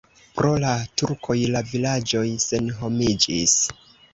Pro la turkoj la vilaĝoj senhomiĝis.